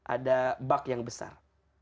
ada bak yang besar